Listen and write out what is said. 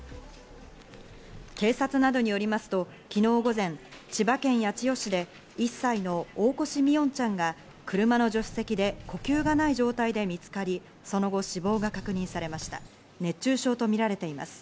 警察などによりますと、昨日午前、千葉県八千代市で１歳の大越三櫻音ちゃんが車の助手席で呼吸がない状態で見つかり、その後、死亡が確認されました熱中症とみられています。